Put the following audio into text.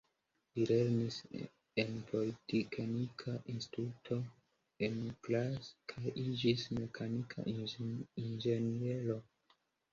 Li lernis en Politeknika Instituto, en Graz, kaj iĝis mekanika inĝeniero.